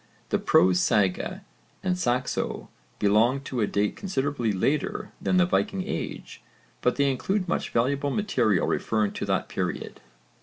The prose sagas and Saxo belong to a date considerably later than the Viking age, but they include much valuable material referring to that period.